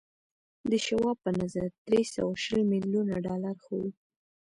د شواب په نظر درې سوه شل ميليونه ډالر ښه و